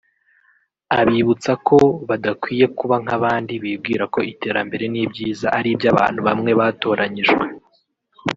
Abibutsa ko badakwiye kuba nk’abandi bibwira ko iterambere n’ibyiza ari iby’abantu bamwe batoranyijwe